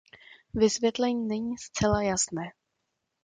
Vysvětlení není zcela jasné.